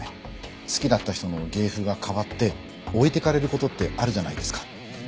好きだった人の芸風が変わって置いてかれる事ってあるじゃないですか。